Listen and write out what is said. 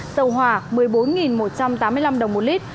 dầu ma rút là một mươi bốn chín trăm linh chín đồng một lit